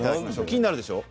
気になるでしょう？